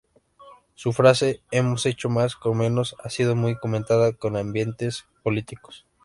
Su frase "hemos hecho más con menos" ha sido muy comentada en ambientes políticos.